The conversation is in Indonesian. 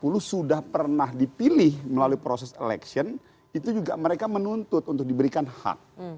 kalau mereka yang berumur empat puluh sudah pernah dipilih melalui proses election itu juga mereka menuntut untuk diberikan hak